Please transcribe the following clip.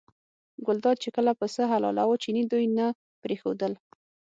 ګلداد چې کله پسه حلالاوه چیني دوی نه پرېښودل.